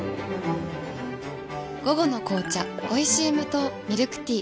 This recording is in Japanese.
午後の紅茶おいしい無糖ミルクティー